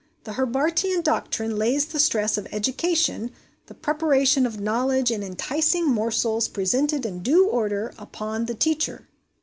The Herbartian doctrine lays the stress of education the preparation of knowledge in enticing morsels, presented in due order upon the teacher.